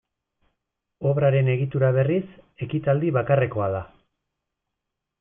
Obraren egitura berriz, ekitaldi bakarrekoa da.